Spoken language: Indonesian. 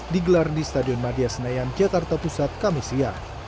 digelar di stadion madia senayan jakarta pusat kamisia